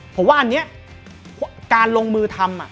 ผมว่าอันนี้การลงมือทำ